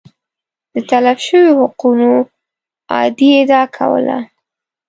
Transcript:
د تلف شویو حقونو اعادې ادعا کوله